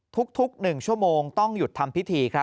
ทุกทุก๑ชั่วโมงต้องหยุดทำพิธี